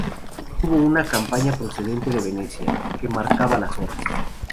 Tuvo una campana procedente de Venecia, que marcaba las horas.